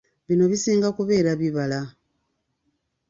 Bino bisinga kubeera bibala.